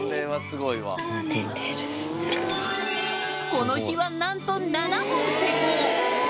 この日はなんと７本成功。